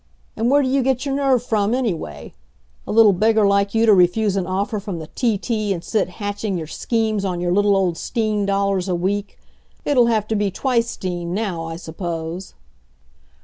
And where do you get your nerve from, anyway? A little beggar like you to refuse an offer from the T. T. and sit hatching your schemes on your little old 'steen dollars a week! ... It'll have to be twice 'steen, now, I suppose?"